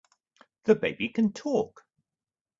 The baby can TALK!